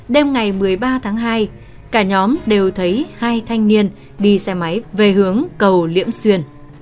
đêm ngày một mươi ba tháng hai cả nhóm đều thấy hai thanh niên đi xe máy về hướng cầu liễm xuyên